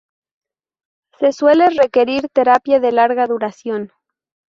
Se suele requerir terapia de larga duración.